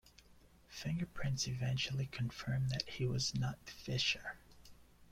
Fingerprints eventually confirmed that he was not Fisher.